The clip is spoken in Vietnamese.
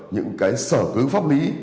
những cái sở cứu pháp lý